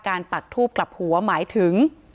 การแก้เคล็ดบางอย่างแค่นั้นเอง